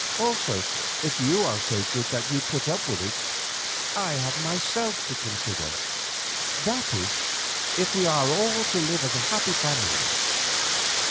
Also, if you are so good that you put up with it, I have myself to consider—that is, if we are all to live as a happy family.